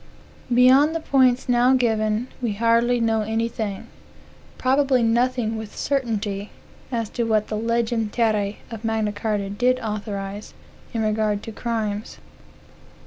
Beyond the points now given, we hardly know anything, probably nothing with certainty, as to what the "legem terran" of Magna Carta did authorize, in regard to crimes.